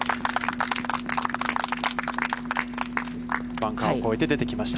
バンカーを越えて出てきました。